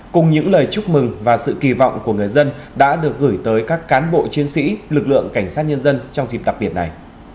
cùng những lời chúc mừng và sự kỳ vọng của người dân đã được gửi tới các cán bộ chiến sĩ lực lượng cảnh sát nhân dân trong dịp đặc biệt này